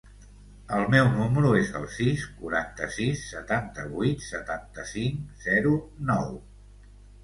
El meu número es el sis, quaranta-sis, setanta-vuit, setanta-cinc, zero, nou.